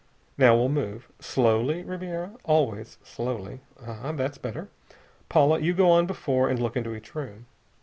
"Now we'll move. Slowly, Ribiera! Always slowly.... Ah! That's better! Paula, you go on before and look into each room.